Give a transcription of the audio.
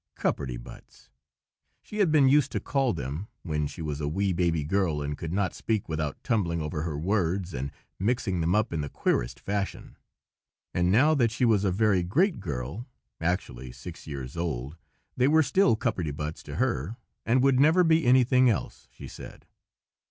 "Cupperty buts," she had been used to call them, when she was a wee baby girl and could not speak without tumbling over her words and mixing them up in the queerest fashion; and now that she was a very great girl, actually six years old, they were still cupperty buts to her, and would never be anything else, she said.